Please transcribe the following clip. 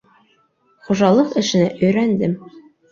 Хужалыҡ эшенә өйрәндем.